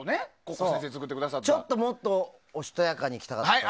ちょっと、もっとおしとやかにいきたかった。